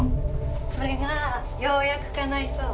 それがようやくかないそう。